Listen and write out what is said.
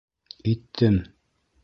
Иттем.